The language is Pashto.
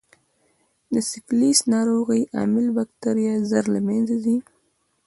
د سفلیس ناروغۍ عامل بکټریا ژر له منځه ځي.